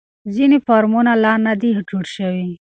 ځینې فارمونه لا نه دي جوړ شوي.